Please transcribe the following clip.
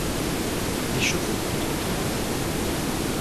Les chevaux purent trotter un moment.